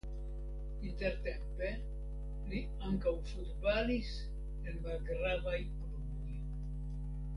Intertempe li ankaŭ futbalis en malgravaj kluboj.